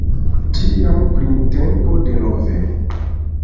Tiam printempo denove.